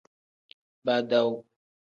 Badawu.